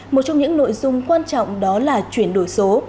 một trong những nội dung quan trọng đó là chuyển đổi số